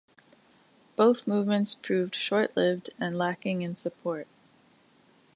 Both movements proved short-lived and lacking in support.